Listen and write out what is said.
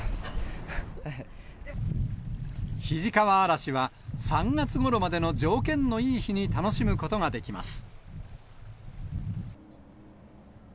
肱川あらしは、３月ごろまでの条件のいい日に楽しむことができます。